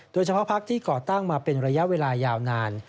เฉพาะพักที่ก่อตั้งมาเป็นระยะเวลายาวนาน